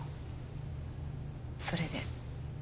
それで？